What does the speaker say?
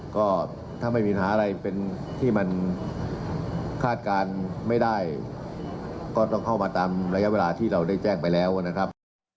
ก็ต้องเข้ามาตามระยะเวลาที่เราได้แจ้งไปแล้วนะครับ